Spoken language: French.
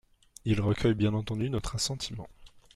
Il recueille bien entendu notre assentiment.